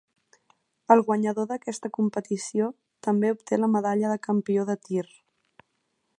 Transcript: El guanyador d'aquesta competició també obté la medalla de campió de tir.